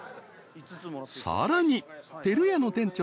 ［さらにてる屋の店長